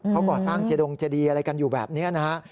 เขาก่อสร้างเจดงเจดีอะไรกันอยู่แบบนี้นะฮะ